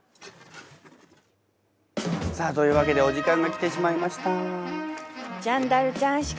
さあというわけでお時間が来てしまいました。